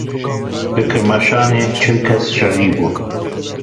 Li Kirmaşanê çil kes jehrî bûne.